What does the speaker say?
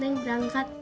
ma neng berangkat